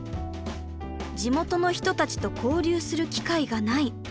地元の人たちと交流する機会がない。